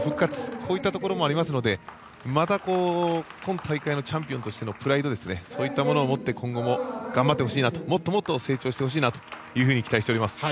こういったところもありますので今大会のチャンピオンとしてのプライドそういったものを持って今後頑張ってほしいもっともっと成長してほしいなと期待しております。